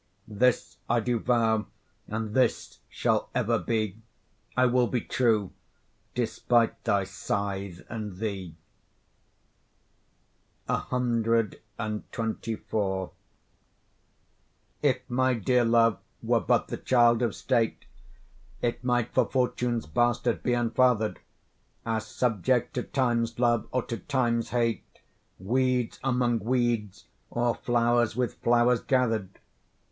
This I do vow and this shall ever be; I will be true despite thy scythe and thee. CXXIV If my dear love were but the child of state, It might for Fortune's bastard be unfather'd, As subject to Time's love or to Time's hate, Weeds among weeds, or flowers with flowers gather'd.